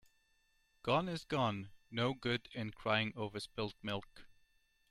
Gone is gone. No good in crying over spilt milk.